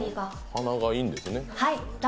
鼻がいいんですね。